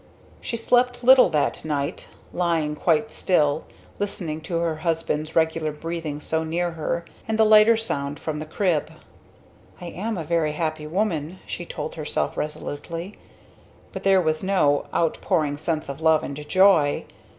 She slept little that night, lying quite still, listening to her husband's regular breathing so near her, and the lighter sound from the crib. "I am a very happy woman," she told herself resolutely; but there was no outpouring sense of love and joy.